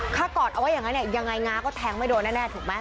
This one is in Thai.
ถ้ากอดเอาไว้อย่างนั้นเนี่ยยังไงง้าก็แทงไม่โดนแน่ถูกไหม